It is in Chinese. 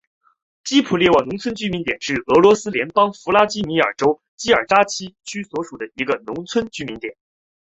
基普列沃农村居民点是俄罗斯联邦弗拉基米尔州基尔扎奇区所属的一个农村居民点。